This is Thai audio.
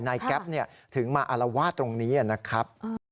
แก๊ปถึงมาอารวาสตรงนี้นะครับ